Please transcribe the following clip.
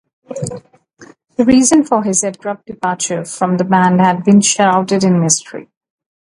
The reason for his abrupt departure from the band had been shrouded in mystery.